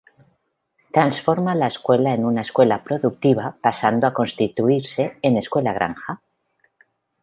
Transforma la escuela en una Escuela Productiva pasando a constituirse en Escuela Granja.